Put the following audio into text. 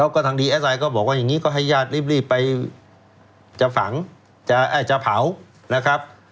ก็ทางดีเอสไอก็บอกว่าอย่างนี้ก็ให้ญาติรีบไปจะฝังจะเผานะครับ